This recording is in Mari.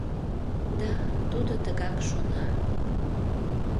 — Да, тудо тыгак шона.